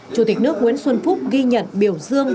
chủ tịch nước nguyễn xuân phúc ghi nhận biểu dương